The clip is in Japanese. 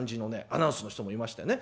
アナウンスの人もいましてね。